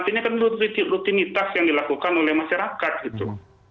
artinya kan rutinitas yang dilakukan oleh masyarakat gitu